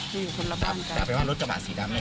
ไม่ได้อยู่คนละบ้านกันแต่ไปบ้านรถกระบะสีดำเนี่ย